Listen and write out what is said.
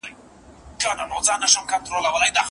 ميرمني پر خاوند احسان نه اچاوه.